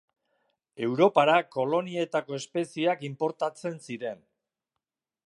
Europara kolonietako espeziak inportatzen ziren.